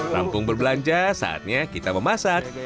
rampung berbelanja saatnya kita memasak